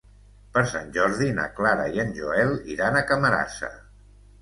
Per Sant Jordi na Clara i en Joel iran a Camarasa.